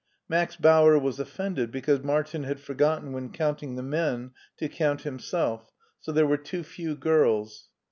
Max Bauer was offended because Martin had forgotten when counting the men to count himself, so there were too few girls.